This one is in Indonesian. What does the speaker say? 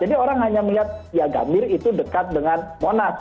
jadi orang hanya melihat ya gambir itu dekat dengan monas